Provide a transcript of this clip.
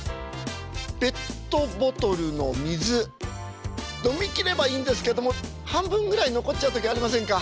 ペットボトルの水飲み切ればいいんですけども半分ぐらい残っちゃう時ありませんか？